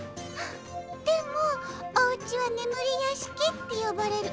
でもおうちは「ねむりやしき」ってよばれるおやしきだし。